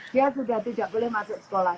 dia sudah tidak boleh masuk sekolah